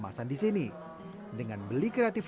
saya mencoba dengan kekuatan